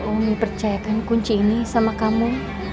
omni percayakan kunci ini sama kamu